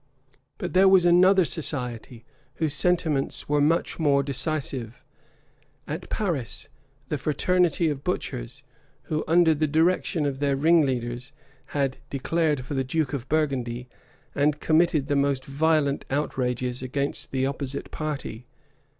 But there was another society, whose sentiments were much more decisive, at Paris, the fraternity of butchers, who, under the direction of their ringleaders, had declared for the duke of Burgundy, and committed the most violent outrages against the opposite party.